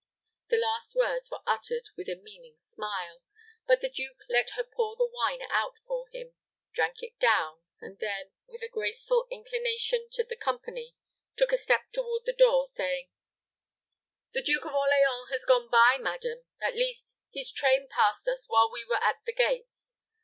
The last words were uttered with a meaning smile; but the duke let her pour the wine out for him, drank it down, and then, with a graceful inclination to the company, took a step toward the door, saying, "The Duke of Orleans has gone by, madam. At least, his train passed us while we were at the gates.